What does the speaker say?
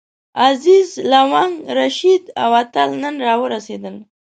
عزیز، لونګ، رشید او اتل نن راورسېدل.